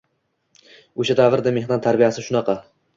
O‘sha davrda mehnat tarbiyasi shunaqa.